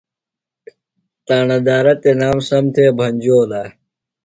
تاݨہ دارہ تنام سم تھےۡ بھنجولہ۔